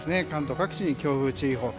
関東各地に強風注意報。